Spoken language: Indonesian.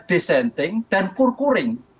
desenting dan kurkuring